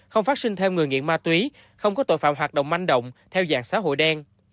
không phát sinh thêm người nghiện ma túy không có tội phạm hoạt động manh động theo dạng xã hội đen